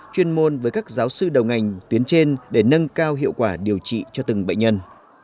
chuyên môn với các giáo sư đầu ngành tuyến trên để nâng cao hiệu quả điều trị cho từng bệnh nhân